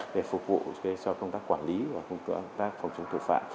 để phục vụ cho công tác quản lý và công tác phòng chống tội phạm